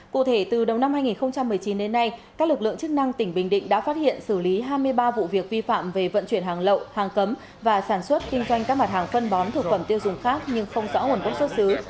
cụ thể từ đầu năm hai nghìn một mươi chín đến nay các lực lượng chức năng tỉnh bình định đã phát hiện xử lý hai mươi ba vụ việc vi phạm về vận chuyển hàng lậu hàng cấm và sản xuất kinh doanh các mặt hàng phân bón thực phẩm tiêu dùng khác nhưng không rõ nguồn gốc xuất xứ